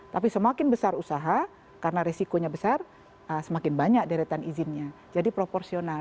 tapi semakin besar usaha karena resikonya besar semakin banyak deretan izinnya jadi proporsional